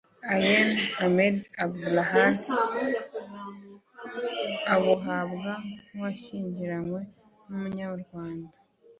Ayeni Amed Abdulahi abuhabwa nk’uwashyingiranwe n’Umunyarwanda